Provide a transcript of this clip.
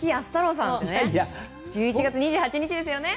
１１月２８日ですよね。